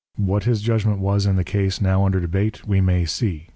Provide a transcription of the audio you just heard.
What his Judgment was in the Case now under debate, we may see, _pag.